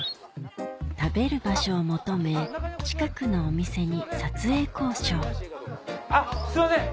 食べる場所を求め近くのお店に撮影交渉すいません